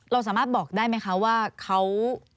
เราสามารถบอกได้ไหมคะว่าเขา